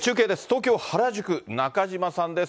東京・原宿、中島さんです。